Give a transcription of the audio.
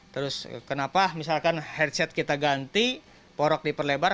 terus kenapa misalkan headset kita ganti porok diperlebar